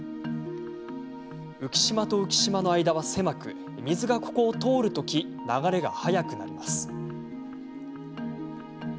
浮き島と浮き島の間は狭く水がここを通るとき流れが速くなります。